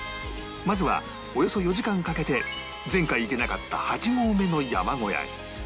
まずはおよそ４時間かけて前回行けなかった８合目の山小屋へ